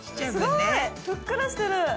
ふっくらしてる。